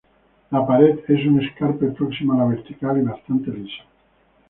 La "pared" es un escarpe próximo a la vertical y bastante liso.